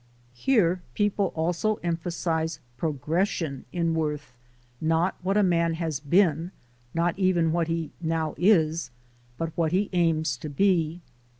Here people also emphasize progression in worth; not what a man has been, not even what he now is, but what he aims to be.